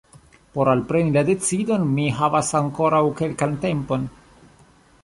Por alpreni la decidon mi havas ankoraŭ kelkan tempon.